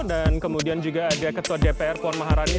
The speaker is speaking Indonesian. dan kemudian juga ada ketua dpr puan maharani